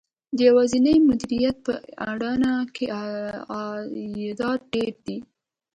د یوازېني مدیریت په اډانه کې عایدات ډېر دي